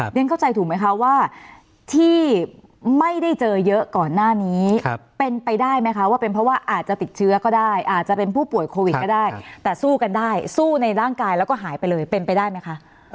เรียนเข้าใจถูกไหมคะว่าที่ไม่ได้เจอเยอะก่อนหน้านี้เป็นไปได้ไหมคะว่าเป็นเพราะว่าอาจจะติดเชื้อก็ได้อาจจะเป็นผู้ป่วยโควิดก็ได้แต่สู้กันได้สู้ในร่างกายแล้วก็หายไปเลยเป็นไปได้ไหมคะ